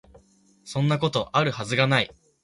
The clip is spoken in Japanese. そんなこと、有る筈が無い